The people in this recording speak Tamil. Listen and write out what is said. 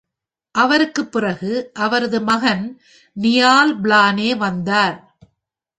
அவருக்குப் பிறகு அவரது மகன் நியால் பிளானே வந்தார்.